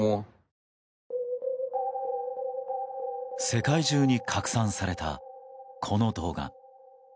世界中に拡散されたこの動画。